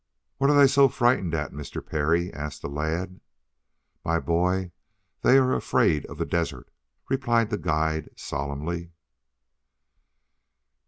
"What are they so frightened at, Mr. Parry?" asked the lad. "My boy, they are afraid of the desert," replied the guide solemnly.